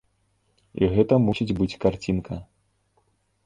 І гэта мусіць быць карцінка.